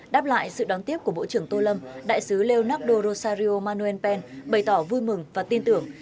đáp lại sự đón tiếp của bộ trưởng tô lâm đại sứ leonardo rosario manuel pen bày tỏ vui mừng và tin tưởng